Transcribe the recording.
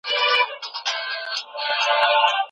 ملي عاید د اقتصادي وضعیت ښکارندوی دی.